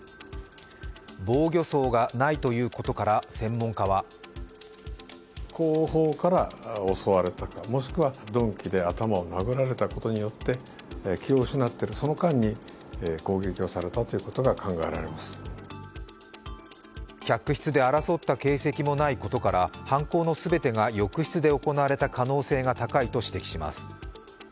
防御創がないということから、専門家は客室で争った形跡もないことから犯行の全てが浴室で行われた可能性が高いと指摘します。